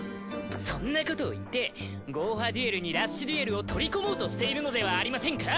そんなことを言ってゴーハデュエルにラッシュデュエルを取り込もうとしているのではありませんか！？